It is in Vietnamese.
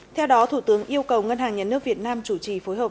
theo đó thủ tướng yêu cầu ngân hàng nhân nước việt nam chủ trì phổ biến các vụ trộm cắp